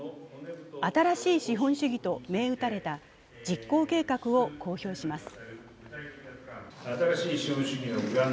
「新しい資本主義」と銘打たれた実行計画を公表します。